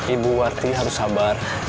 ibu warti harus sabar